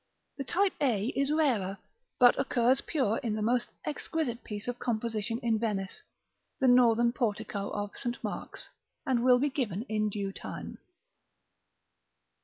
The type a is rarer, but occurs pure in the most exquisite piece of composition in Venice the northern portico of St. Mark's; and will be given in due time.